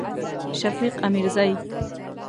شفیق امیرزی